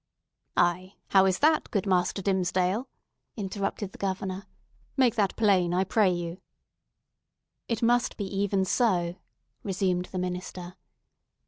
"Ay—how is that, good Master Dimmesdale?" interrupted the Governor. "Make that plain, I pray you!" "It must be even so," resumed the minister.